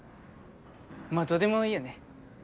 まぁどうでもいいよね